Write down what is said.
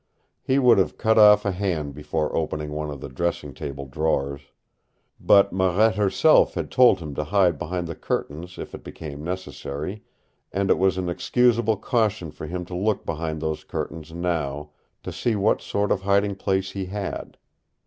He would have cut off a hand before opening one of the dressing table drawers. But Marette herself had told him to hide behind the curtains if it became necessary, and it was an excusable caution for him to look behind those curtains now, to see what sort of hiding place he had.